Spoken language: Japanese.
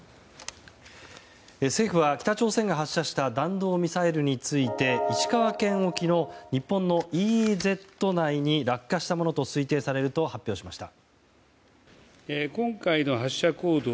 政府は、北朝鮮が発射した弾道ミサイルについて石川県沖の日本のＥＥＺ内に落下したものと推定されると発表しました。